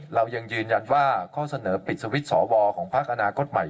เรายังยืนยันว่าข้อเสนอปิดสวิตช์สวของพักอนาคตใหม่